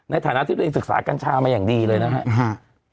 ในฐานะที่ตัวเองศึกษากัญชามาอย่างดีเลยนะครับ